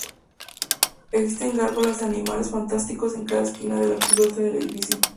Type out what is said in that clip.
Existen gárgolas de animales fantásticos en cada esquina de la cubierta del edificio.